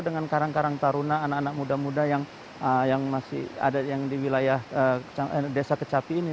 dengan karang karang taruna anak anak muda muda yang masih ada yang di wilayah desa kecapi ini